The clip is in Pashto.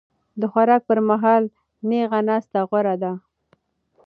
د خوراک پر مهال نېغه ناسته غوره ده.